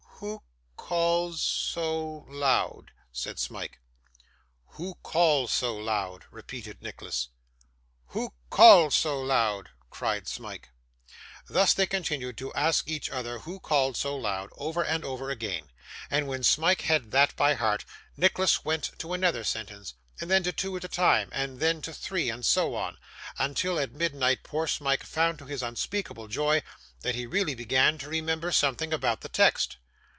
'"Who calls so loud?"' said Smike. '"Who calls so loud?"' repeated Nicholas. '"Who calls so loud?"' cried Smike. Thus they continued to ask each other who called so loud, over and over again; and when Smike had that by heart Nicholas went to another sentence, and then to two at a time, and then to three, and so on, until at midnight poor Smike found to his unspeakable joy that he really began to remember something about the text.